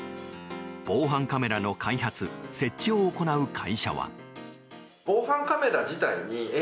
防犯カメラの開発・設置を行う会社は。